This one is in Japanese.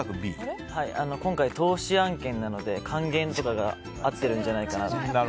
今回、投資案件なので還元とかが合ってるんじゃないかなと。